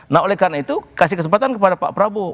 nah oleh karena itu kasih kesempatan kepada pak prabowo